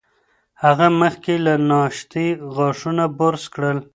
هغه مخکې له ناشتې غاښونه برس کړل.